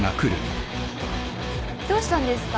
どうしたんですか？